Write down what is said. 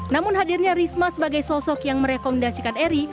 namun hadirnya risma sebagai sosok yang merekomendasikan eri